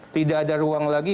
tidak ada ruang lagi